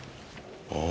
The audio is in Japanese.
ああ。